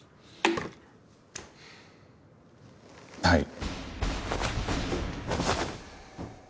はい。